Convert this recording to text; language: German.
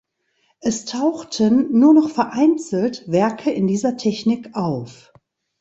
Es tauchten nur noch vereinzelt Werke in dieser Technik auf.